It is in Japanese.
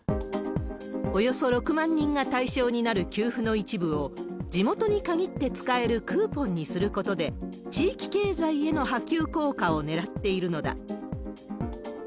およそ６万人が対象になる給付の一部を、地元に限って使えるクーポンにすることで、地域経済への波及効果をねらっているのだ。